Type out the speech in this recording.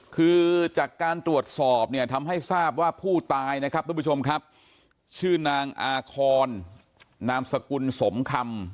คือจากการตรวจสอบเนี่ยทำให้ทราบว่าผู้ตายนะครับทุกผู้ชมครับชื่อนางอาคอนนามสกุลสมคำ